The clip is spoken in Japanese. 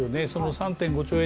３．５兆円